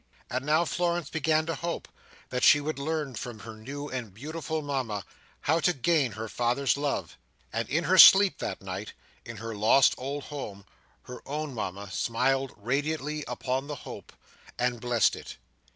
And now Florence began to hope that she would learn from her new and beautiful Mama, how to gain her father's love; and in her sleep that night, in her lost old home, her own Mama smiled radiantly upon the hope, and blessed it.